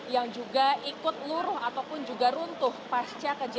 dan yang terdapat di atas